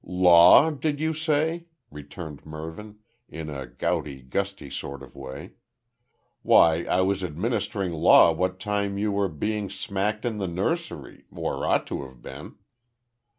"Law did you say?" returned Mervyn, in a gouty, gusty sort of way. "Why, I was administering law what time you were being smacked in the nursery or ought to have been."